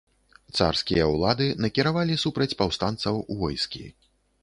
Царскія ўлады накіравалі супраць паўстанцаў войскі.